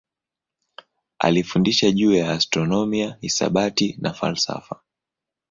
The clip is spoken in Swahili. Alifundisha juu ya astronomia, hisabati na falsafa.